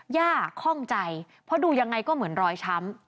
ข้องใจเพราะดูยังไงก็เหมือนรอยช้ำ